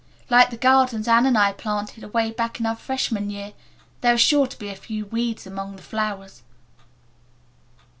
Like the gardens Anne and I planted away back in our freshman year, there are sure to be a few weeds among the flowers."